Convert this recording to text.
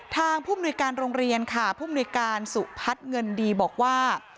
ผู้มนุยการโรงเรียนค่ะผู้มนุยการสุพัฒน์เงินดีบอกว่า